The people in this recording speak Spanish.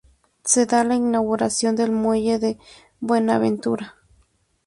Se da la inauguración del muelle de Buenaventura.